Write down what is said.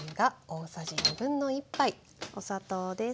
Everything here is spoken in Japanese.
お砂糖です。